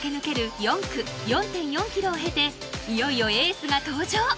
４区４．４キロを経ていよいよエースが登場。